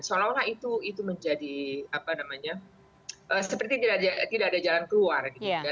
seolah olah itu menjadi seperti tidak ada jalan keluar